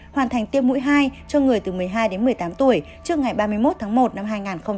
hoàn thành tiêm mũi hai cho người từ một mươi hai đến một mươi tám tuổi trước ngày ba mươi một tháng một năm hai nghìn hai mươi